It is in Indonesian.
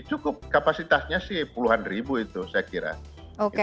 cukup kapasitasnya sih puluhan ribu itu saya kira